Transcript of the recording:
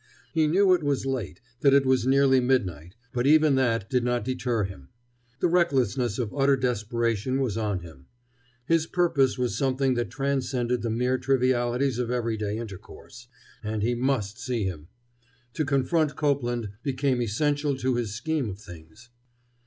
He knew it was late, that it was nearly midnight, but even that did not deter him. The recklessness of utter desperation was on him. His purpose was something that transcended the mere trivialities of every day intercourse. And he must see him. To confront Copeland became essential to his scheme of things.